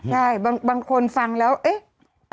ใช่บางคนฟังแล้วเอ๊ะ